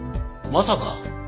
まさか！